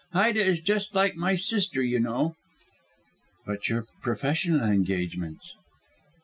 Ida is just like my sister, you know." "But your professional engagements?"